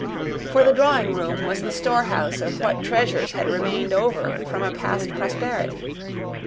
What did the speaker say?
For the drawing room was the storehouse of what treasures had remained over from a past prosperity.